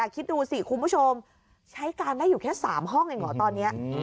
คิดดูสิคุณผู้ชมใช้การได้อยู่แค่๓ห้องเองเหรอตอนนี้